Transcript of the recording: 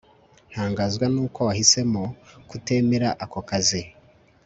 Ntangazwa nuko wahisemo kutemera ako kazi